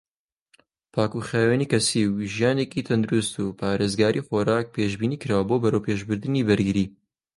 پاکوخاوێنی کەسی و ژیانێکی تەندروست و پارێزی خۆراک پێشبینیکراوە بۆ بەرەوپێشبردنی بەرگری.